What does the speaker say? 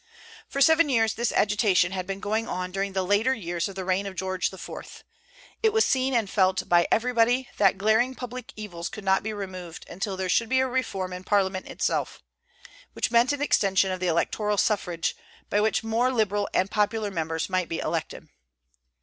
For seven years this agitation had been going on during the later years of the reign of George IV. It was seen and felt by everybody that glaring public evils could not be removed until there should be a reform in Parliament itself, which meant an extension of the electoral suffrage, by which more liberal and popular members might be elected.